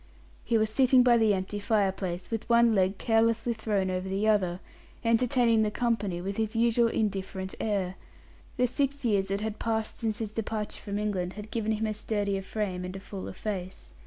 He was sitting by the empty fire place, with one leg carelessly thrown over the other, entertaining the company with his usual indifferent air. The six years that had passed since his departure from England had given him a sturdier frame and a fuller face.